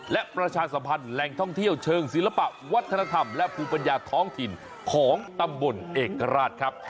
และประชาสัมพันธ์แหล่งท่องเที่ยวเชิงศิลปะวัฒนธรรมและภูมิปัญญาท้องถิ่นของตำบลเอกราชครับ